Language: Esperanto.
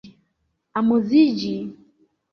amuziĝi